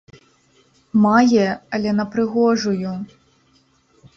Мае, але на прыгожую!